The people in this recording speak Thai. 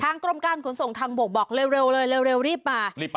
ทางกรมการขนส่งทางบกบอกเร็วเร็วเร็วเร็วเร็วรีบมารีบไป